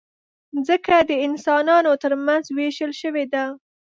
مځکه د انسانانو ترمنځ وېشل شوې ده.